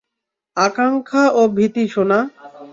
আকাঙ্ক্ষা এবং ভীতি, সোনা!